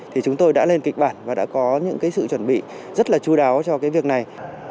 thì chúng tôi đã lên kịch bản và đã có những cái sự chuẩn bị rất là chú đáo cho cái việc này